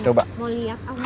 mau lihat mau lihat